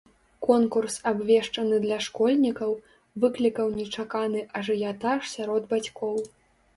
Конкурс, абвешчаны для школьнікаў, выклікаў нечаканы ажыятаж сярод бацькоў.